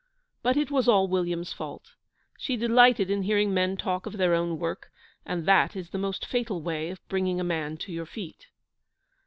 But it was all William's fault. She delighted in hearing men talk of their own work, and that is the most fatal way of bringing a man to your feet.